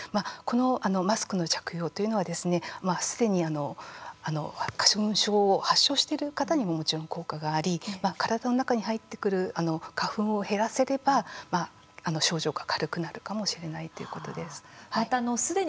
このマスクの着用というのはすでに花粉症を発症している方にももちろん効果があり体の中に入ってくる花粉を減らせれば症状が軽くなるかもしれないということです。